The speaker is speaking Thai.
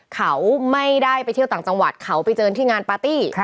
เขาไม่ได้ไปเที่ยวต่างจังหวัดเขาไปเจอที่งานปาร์ตี้